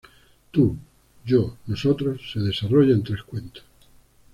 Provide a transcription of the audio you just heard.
Tú, yo, nosotros se desarrolla en tres cuentos.